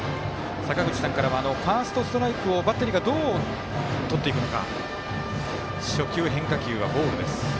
坂口さんからはファーストストライクをバッテリーがどう、とっていくのか。